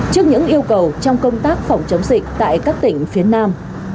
trước những yêu cầu trong công tác phòng chống dịch tại các tỉnh phía nam